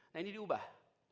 nah ini diubah